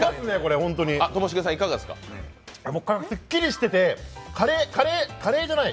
すっきりしててカレーカレーじゃない。